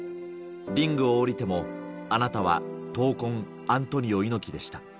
リングを降りても、あなたは闘魂アントニオ猪木でした。